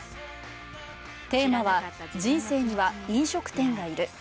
テーマは「人生には、飲食店がいる。」。